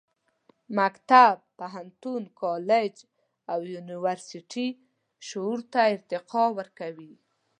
مکتب، پوهنتون، کالج او یونیورسټي شعور ته ارتقا ورکوي.